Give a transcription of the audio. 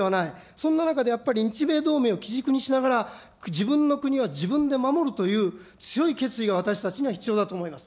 そんな中でやっぱり、日米同盟を基軸にしながら、自分の国は自分で守るという、強い決意が私たちには必要だと思います。